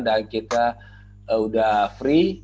dan kita udah free